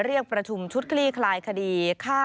เรียกประชุมชุดคลี่คลายคดีฆ่า